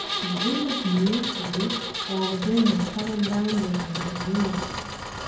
It winters near to, or within the southern boundaries of the Union.] 61.